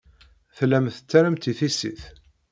Tellam tettarram-tt i tissit.